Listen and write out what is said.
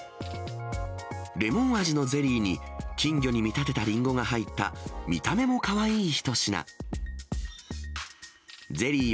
レモン味のゼリーに、金魚に見立てたリンゴが入った、見た目もかわいい一品。